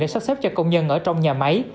sắp xếp cho công nhân ở trong nhà máy